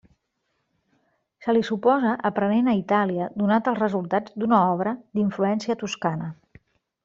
Se li suposa aprenent a Itàlia donat els resultats d'una obra d'influència toscana.